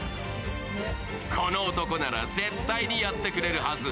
この男なら絶対にやってくれるはず。